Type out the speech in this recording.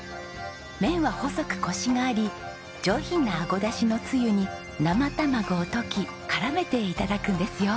麺は細くこしがあり上品なアゴダシのつゆに生卵を溶き絡めて頂くんですよ。